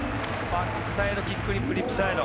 バックサイドキックフリップリップスライド。